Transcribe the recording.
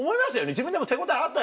自分でも手応えあったでしょ。